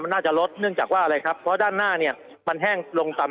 แต่ว่ามันโครงตัว